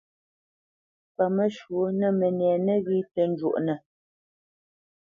Paməshwɔ̌ nə́ mənɛ̂ nə́ghé tə́ njúʼnə́.